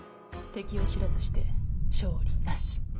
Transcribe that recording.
敵を知らずして勝利なし！